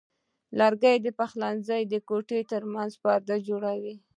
لرګی د پخلنځي او کوټې ترمنځ پرده جوړوي.